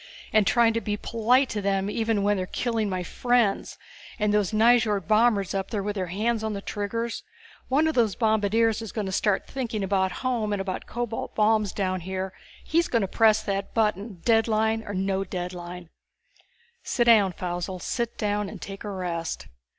And trying to be polite to them even when they are killing my friends, and those Nyjord bombers up there with their hands on the triggers. One of those bombardiers is going to start thinking about home and about the cobalt bombs down here and he's going to press that button, deadline or no deadline." "Sit down, Faussel. Sit down and take a rest."